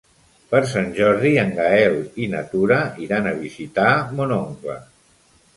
Per Sant Jordi en Gaël i na Tura iran a visitar mon oncle.